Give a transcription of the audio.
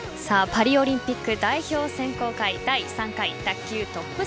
パリオリンピック代表選考会第３回卓球ＴＯＰ３２。